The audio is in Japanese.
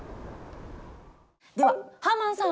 ではハーマンさん！